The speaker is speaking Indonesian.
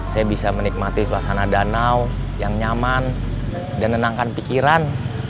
saya bisa menikmati suasana danau yang nyaman dan nenangkan pikiran